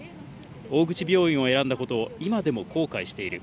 大口病院を選んだことを今でも後悔している。